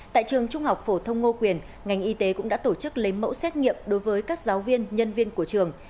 tại trường trung học phổ thông ngô quyền ngành y tế cũng đã tổ chức lấy mẫu xét nghiệm đối với các giáo viên nhân viên của trường